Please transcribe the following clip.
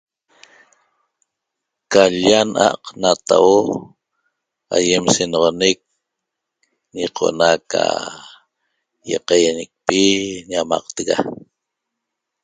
Ca l-lla na'a'q natauo aýem senoxonec ñiqo'ona ca ýaqaýañicpi ñamaqtega